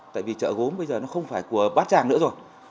tại vì chợ gốm bây giờ nó không phải của bát tràng nữa rồi